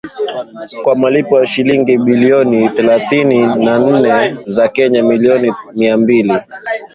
kwa malipo ya shilingi bilioni thelathini na nne za Kenya milioni mia mbili